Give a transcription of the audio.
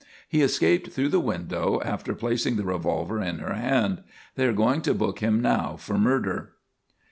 He escaped through the window after placing the revolver in her hand. They are going to book him now for murder."